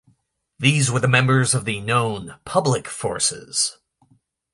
These were the members of the known, public forces.